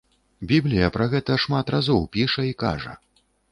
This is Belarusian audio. Біблія пра гэта шмат разоў піша і кажа.